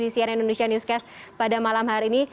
di cnn indonesia newscast pada malam hari ini